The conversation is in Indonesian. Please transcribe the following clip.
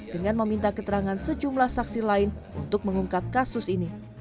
dengan meminta keterangan sejumlah saksi lain untuk mengungkap kasus ini